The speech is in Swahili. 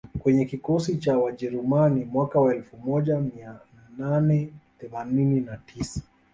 kwenye kikosi cha Wajerumani mwaka wa elfu moja mia nane themanini na tisa